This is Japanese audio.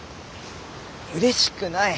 うれしくない。